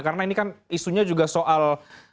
karena ini kan isunya juga soal